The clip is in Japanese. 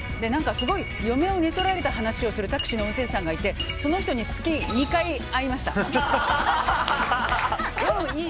すごい、嫁を寝取られた話をするタクシーの運転手さんがいてその人に月、２回会いました。